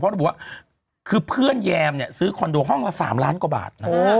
ระบุว่าคือเพื่อนแยมเนี่ยซื้อคอนโดห้องละ๓ล้านกว่าบาทนะ